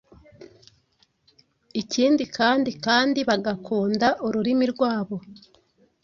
ikindi kandi kandi bagakunda ururimi rwabo